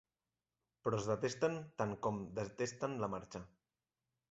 Però es detesten tant com detesten la marxa.